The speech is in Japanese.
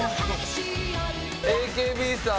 ＡＫＢさん